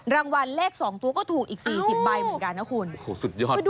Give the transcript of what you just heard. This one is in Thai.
รางวัลเลข๒ตัวก็ถูกอีก๔๐ใบเหมือนกันนะคุณโอ้โหสุดยอด